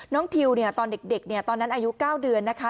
ทิวเนี่ยตอนเด็กตอนนั้นอายุ๙เดือนนะคะ